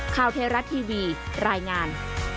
ข่าวเทราะห์ทีวีรายงาน